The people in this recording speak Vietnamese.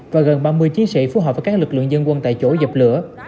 và gần ba mươi chiến sĩ phù hợp với các lực lượng dân quân tại chỗ dập lửa